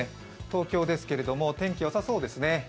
東京ですけど天気、よさそうですね。